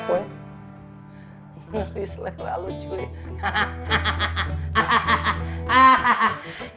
miris lah lu cuy